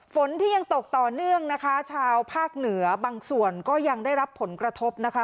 ฝนที่ยังตกต่อเนื่องนะคะชาวภาคเหนือบางส่วนก็ยังได้รับผลกระทบนะคะ